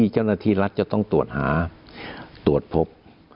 เจ้าหน้าที่รัฐจะต้องตรวจหาตรวจพบ